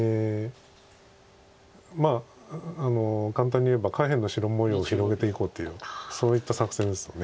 まあ簡単にいえば下辺の白模様を広げていこうというそういった作戦ですよね。